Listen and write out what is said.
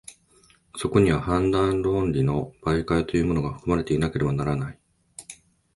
そこには判断論理の媒介というものが、含まれていなければならない。